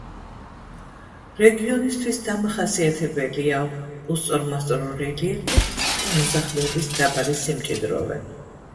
რეგიონისთვის დამახასიათებელია უსწორმასწორო რელიეფი და მოსახლეობის დაბალი სიმჭიდროვე.